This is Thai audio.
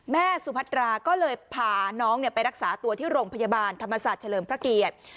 สุพัตราก็เลยพาน้องไปรักษาตัวที่โรงพยาบาลธรรมศาสตร์เฉลิมพระเกียรติ